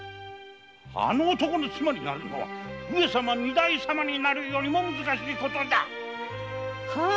あの男の妻になるのは上様の御台様になるより難しい。